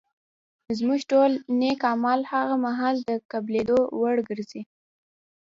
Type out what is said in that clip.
زموږ ټول نېک اعمال هغه مهال د قبلېدو وړ ګرځي